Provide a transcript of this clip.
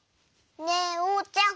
ねえおうちゃん。